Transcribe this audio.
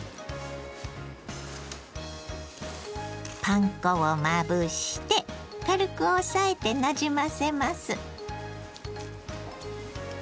パン粉をまぶして軽く押さえてなじませます。